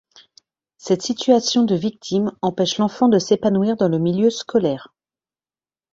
Cette situation de victime empêche l'enfant de s'épanouir dans le milieu scolaire.